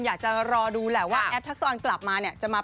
อยากจะรอดูแหละว่าแอฟทักซอนกลับมา